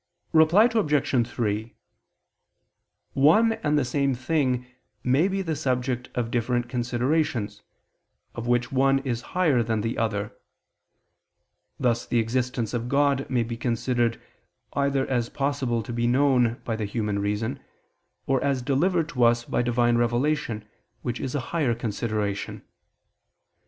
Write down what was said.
Reply Obj. 3: One and the same thing may be the subject of different considerations, of which one is higher than the other; thus the existence of God may be considered, either as possible to be known by the human reason, or as delivered to us by Divine revelation, which is a higher consideration.